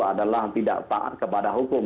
adalah tidak taat kepada hukum